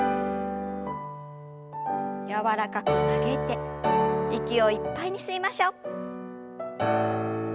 柔らかく曲げて息をいっぱいに吸いましょう。